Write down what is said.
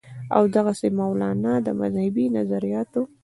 او دغسې د مولانا د مذهبي نظرياتو